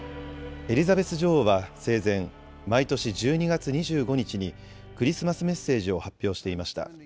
エリザベス女王は生前、毎年１２月２５日にクリスマスメッセージを発表していました。